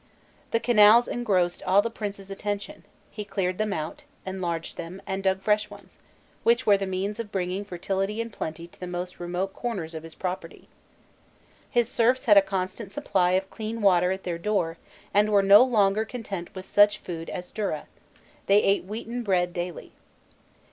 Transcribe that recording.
The canals engrossed all the prince's attention; he cleaned them out, enlarged them, and dug fresh ones, which were the means of bringing fertility and plenty into the most remote corners of his property. His serfs had a constant supply of clean water at their door, and were no longer content with such food as durra; they ate wheaten bread daily.